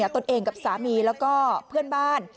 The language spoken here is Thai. ตนเองกับสามีแล้วก็เพื่อนบ้าน